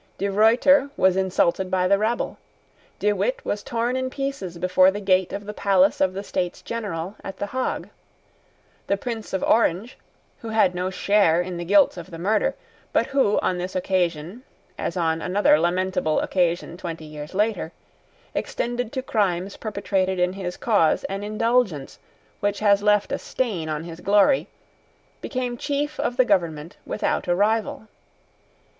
De Ruyter was insulted by the rabble. De Witt was torn in pieces before the gate of the palace of the States General at the Hague. The Prince of Orange, who had no share in the guilt of the murder, but who, on this occasion, as on another lamentable occasion twenty years later, extended to crimes perpetrated in his cause an indulgence which has left a stain on his glory, became chief of the government without a rival.